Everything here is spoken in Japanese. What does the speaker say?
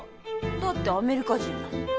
だってアメリカ人だもん。